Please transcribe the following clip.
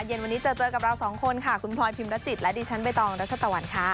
เย็นวันนี้เจอเจอกับเราสองคนค่ะคุณพลอยพิมรจิตและดิฉันใบตองรัชตะวันค่ะ